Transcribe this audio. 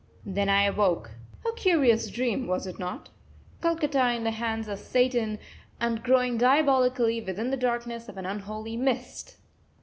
Then I awoke. A curious dream, was it not? Calcutta in the hands of Satan and growing diabolically, within the darkness of an unholy mist!